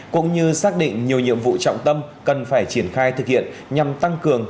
cũng như xác định nhiều nhiệm vụ trọng tâm cần phải triển khai thực hiện nhằm tăng cường